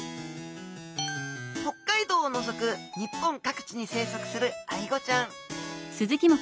北海道をのぞく日本各地に生息するアイゴちゃん。